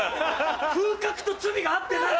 風格と罪が合ってない。